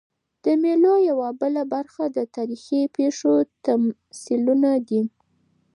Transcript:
د مېلو یوه بله برخه د تاریخي پېښو تمثیلونه دي.